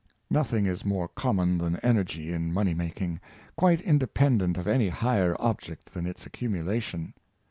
Nothing is more common than energy in money making, quite independent of any higher object than its accumulation.